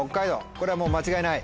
これはもう間違いない？